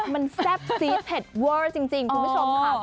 มันแซ่บซีดเผ็ดเวอร์จริงคุณผู้ชมค่ะ